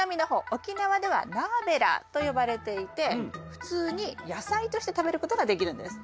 沖縄ではナーベラーと呼ばれていて普通に野菜として食べることができるんです。